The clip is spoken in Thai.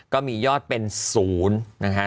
ก็มียอดเป็น๐นะฮะ